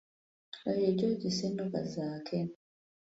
Oyo ye George Ssennoga Zaake.